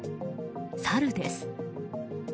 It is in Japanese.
サルです。